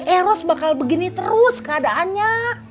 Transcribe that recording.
eros bakal begini terus keadaannya